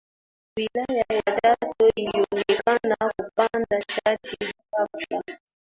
Wilaya ya Chato ilionekana kupanda chati ghafla